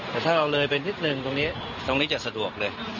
แต่ถ้าเราเลยไปนิดนึงตรงนี้ตรงนี้จะสะดวกเลย